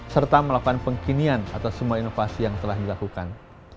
serta melakukan pengkinian atas semua inovasi yang telah dilakukan